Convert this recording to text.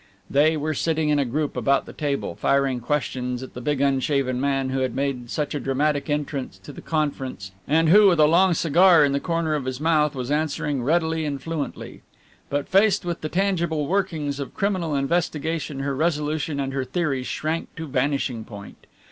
They were sitting in a group about the table, firing questions at the big unshaven man who had made such a dramatic entrance to the conference and who, with a long cigar in the corner of his mouth, was answering readily and fluently. But faced with the tangible workings of criminal investigation her resolution and her theories shrank to vanishing point.